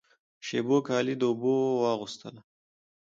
شېبو کالی د اوبو واغوستله